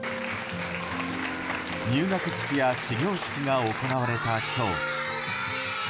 入学式や始業式が行われた今日。